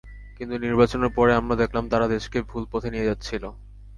কিন্তু নির্বাচনের পরে আমরা দেখলাম, তারা দেশকে ভুল পথে নিয়ে যাচ্ছিল।